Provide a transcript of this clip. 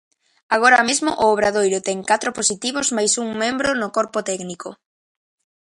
Agora mesmo o Obradoiro ten catro positivos máis un membro no corpo técnico.